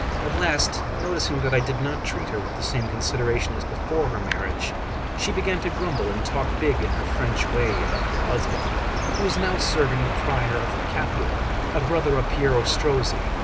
At last, noticing that I did not treat her with the same consideration as before her marriage, she began to grumble and talk big in her French way about her husband, who was now serving the Prior of Capua, a brother of Piero Strozzi.